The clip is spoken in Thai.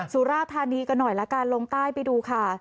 สุราธานีกันหน่อยละกันลงใต้ไปดูค่ะ